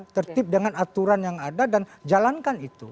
tertib dengan aturan yang ada dan jalankan itu